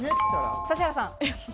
指原さん。